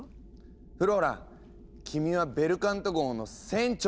フローラ君はベルカント号の船長になるんだ。